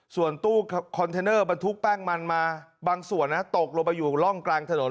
ส่วนตู้คอนเทนเนอร์บรรทุกแป้งมันมาบางส่วนนะตกลงไปอยู่ร่องกลางถนน